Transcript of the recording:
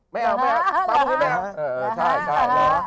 ไม่เอาไม่เอา